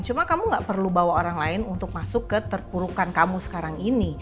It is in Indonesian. cuma kamu gak perlu bawa orang lain untuk masuk ke terpurukan kamu sekarang ini